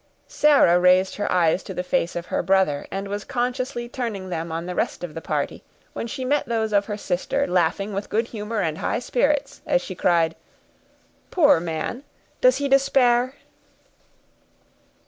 Sarah raised her eyes to the face of her brother, and was consciously turning them on the rest of the party, when she met those of her sister laughing with good humor and high spirits, as she cried, "Poor man! does he despair?"